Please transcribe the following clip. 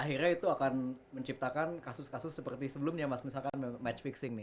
akhirnya itu akan menciptakan kasus kasus seperti sebelumnya mas misalkan match fixing nih